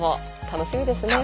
楽しみですねえ！